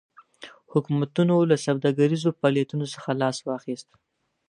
حکومتونو له سوداګریزو فعالیتونو څخه لاس واخیست.